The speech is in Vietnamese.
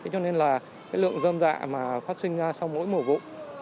cho nên lượng dâm dạ phát sinh sau mỗi mổ vụ